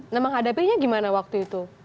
nah menghadapinya gimana waktu itu